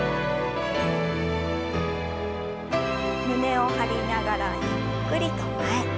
胸を張りながらゆっくりと前。